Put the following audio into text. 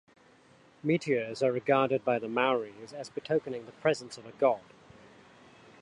Meteors are regarded by the Maoris as betokening the presence of a god.